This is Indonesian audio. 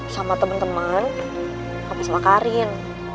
sama temen temen apa sama karin